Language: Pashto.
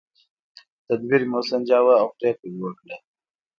تدبیر مې وسنجاوه او پرېکړه مې وکړه.